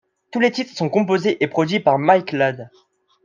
Tous les titres sont composés et produits par Mike Ladd.